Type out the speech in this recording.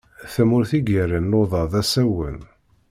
Tamurt i yerran luḍa d asawen.